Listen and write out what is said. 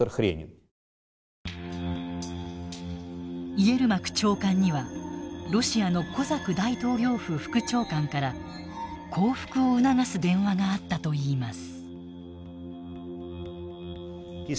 イエルマク長官にはロシアのコザク大統領府副長官から降伏を促す電話があったといいます。